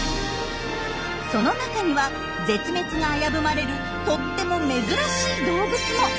その中には絶滅が危ぶまれるとっても珍しい動物も。